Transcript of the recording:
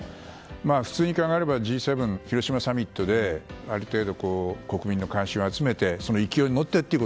普通に考えればＧ７広島サミットである程度、国民の関心を集めてその勢いに乗ってと。